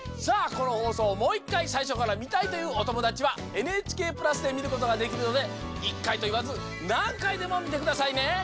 このほうそうをもう１かいさいしょからみたいというおともだちはＮＨＫプラスでみることができるので１かいといわずなんかいでもみてくださいね。